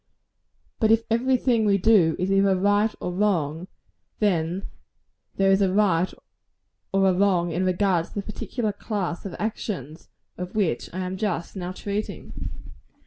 But if every thing we do is either right or wrong, then there is a right and a wrong in regard to the particular class of actions of which I am just now treating.